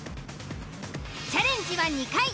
チャレンジは２回。